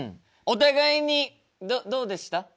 お互いにどうでした？